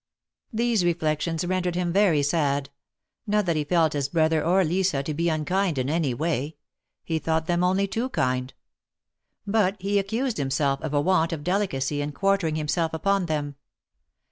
These reflections rendered him very sad — not that he felt his brother or Lisa to be unkind in any way ; he thought them only too kind. But he accused himself of a want of delicacy in quartering himself upon them.